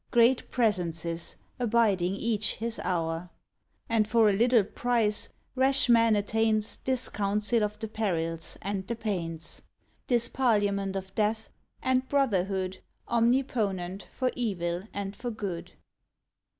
Great Presences, abiding each his hour; And for a little price rash man attains This council of the perils and the pains — This parliament of death, and brotherhood Omniponent for evil and for good.